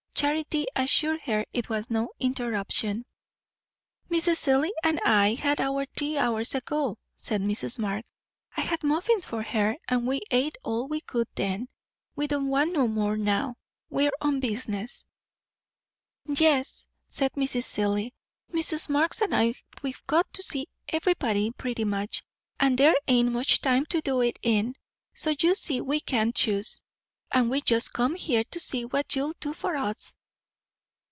Charity assured her it was no interruption. "Mrs. Seelye and I had our tea hours ago," said Mrs. Marx. "I had muffins for her, and we ate all we could then. We don't want no more now. We're on business." "Yes," said Mrs. Seelye. "Mrs. Marx and I, we've got to see everybody, pretty much; and there ain't much time to do it in; so you see we can't choose, and we just come here to see what you'll do for us."